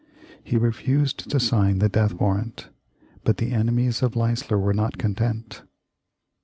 He refused to sign the death warrant. But the enemies of Leisler were not content.